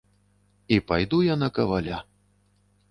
І пайду я на каваля.